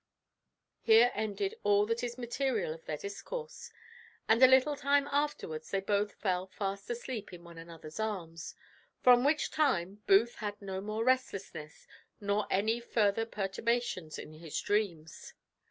Here ended all that is material of their discourse; and a little time afterwards, they both fell fast asleep in one another's arms; from which time Booth had no more restlessness, nor any further perturbation in his dreams.